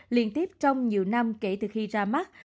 liên tiếp trong nhiều năm kể từ khi ra mắt